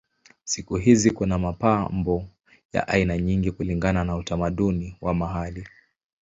Siku hizi kuna mapambo ya aina nyingi kulingana na utamaduni wa mahali.